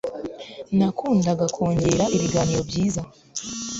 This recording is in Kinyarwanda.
nakundaga kongera ibiganiro byiza